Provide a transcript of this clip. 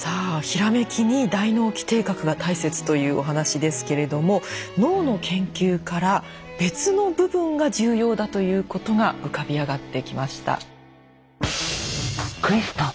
ひらめきに大脳基底核が大切というお話ですけれども脳の研究から別の部分が重要だということが浮かび上がってきました。